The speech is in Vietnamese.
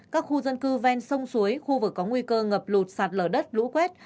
các khu dân cư ven sông suối khu vực có nguy cơ ngập lụt sạt lở đất lũ quét